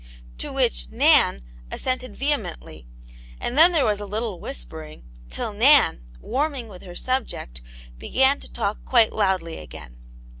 To which " Nan" assented vehemently, and then there was a little whispering, till Nan, warming with her subject, began to talk quite loudly again.